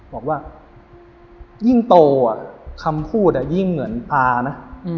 บอกว่ายิ่งโตคำพูดยิ่งเหมือนตานะ